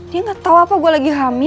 dia gak tau apa gue lagi hamil